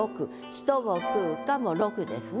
「人を食うか」も６ですね。